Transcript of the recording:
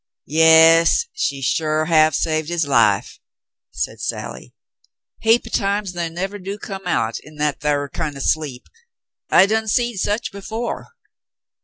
"Yas, she sure have saved his life," said Sally. "Heap o' times they nevah do come out en that thar kin' o' sleep. I done seed sech before."